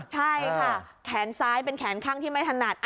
ใช่ค่ะแขนซ้ายเป็นแขนข้างที่ไม่ถนัด